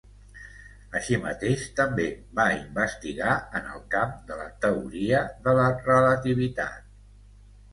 Així mateix, també va investigar en el camp de la teoria de la relativitat.